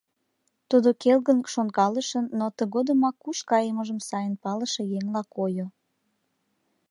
Тудо келгын шонкалышын, но тыгодымак куш кайымыжым сайын палыше еҥла койо.